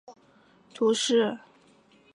厄尔河畔讷伊人口变化图示